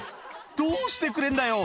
「どうしてくれんだよ！